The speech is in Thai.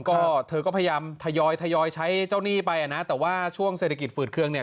ก็เธอก็พยายามทยอยทยอยใช้เจ้าหนี้ไปอ่ะนะแต่ว่าช่วงเศรษฐกิจฝืดเครื่องเนี่ย